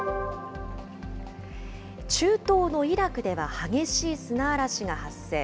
中東のイラクでは、激しい砂嵐が発生。